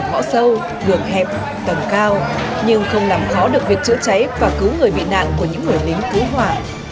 ngõ sâu đường hẹp tầng cao nhưng không làm khó được việc chữa cháy và cứu người bị nạn của những người lính cứu hỏa